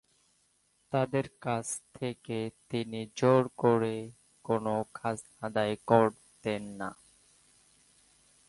তাদের কাছ থেকে তিনি জোর করে কোনো খাজনা আদায় করতেন না।